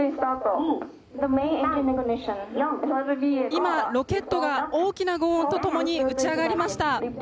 今、ロケットが大きな轟音とともに打ち上がりました。